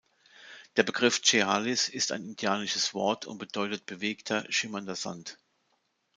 Der Begriff Chehalis ist ein indianisches Wort und bedeutet „bewegter, schimmernder Sand“.